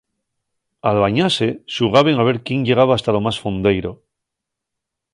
Al bañase xugaben a ver quién llegaba hasta lo más fondeiro.